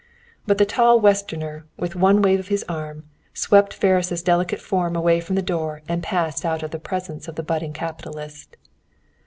But the tall Westerner, with one wave of his arm, swept Ferris' delicate form away from the door and passed out of the presence of the budding capitalist.